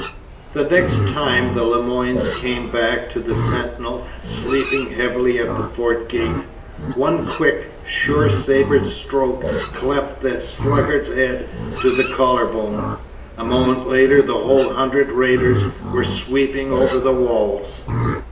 The next time the Le Moynes came back to the sentinel sleeping heavily at the fort gate, one quick, sure sabre stroke cleft the sluggard's head to the collar bone. A moment later the whole hundred raiders were sweeping over the walls.